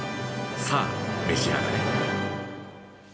さあ、召し上がれ。